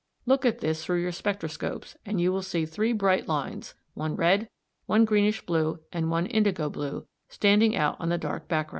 Look at this through your spectroscopes and you will see three bright lines, one red, one greenish blue, and one indigo blue, standing out on the dark background (No.